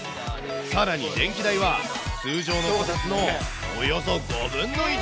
さらに、電気代は通常のこたつのおよそ５分の１。